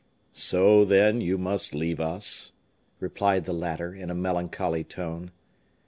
"So, then, you must leave us?" replied the latter, in a melancholy tone.